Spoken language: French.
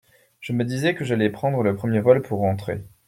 Je me disais que j’allais prendre le premier vol pour rentrer.